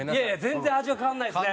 全然味は変わらないですね。